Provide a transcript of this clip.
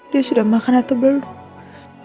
dia sudah makan atau belum